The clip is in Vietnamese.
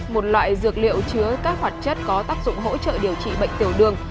một loại dược liệu chứa các hoạt chất có tác dụng hỗ trợ điều trị bệnh tiểu đường